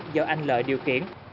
do anh lợi điều khiển